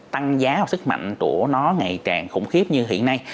tăng giá sức mạnh của nó ngày càng khủng khiếp như hiện nay